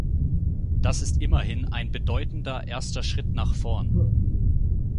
Das ist immerhin ein bedeutender erster Schritt nach vorn.